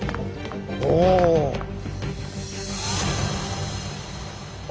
おお。